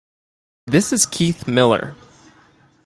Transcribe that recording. This is Keith Miller.